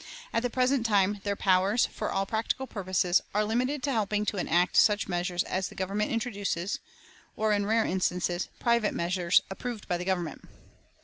At the present time their powers, for all practical purposes, are limited to helping to enact such measures as the Government introduces or, in rare instances, private measures approved by the Government.